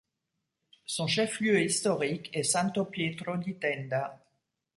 Son chef-lieu historique est Santo-Pietro-di-Tenda.